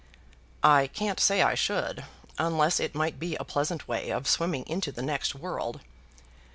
"I can't say I should; unless it might be a pleasant way of swimming into the next world."